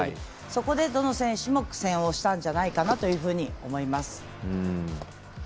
そこでどの選手も苦戦をしたんじゃないかと思います。